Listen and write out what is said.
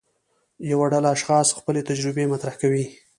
یوه ډله اشخاص خپلې تجربې مطرح کوي.